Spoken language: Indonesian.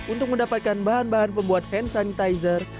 untuk mendapatkan bahan bahan pembuat hand sanitizer